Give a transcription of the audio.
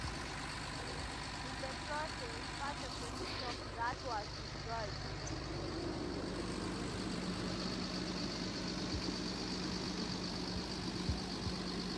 In the process, parts of the city of Herat were destroyed.